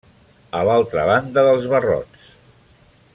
A l'altra banda dels barrots.